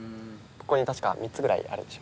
ここに確か３つぐらいあるでしょ。